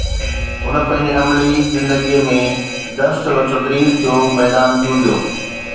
هن پنهنجي عملي زندگيءَ ۾ درس تدريس جو ميدان چونڊيو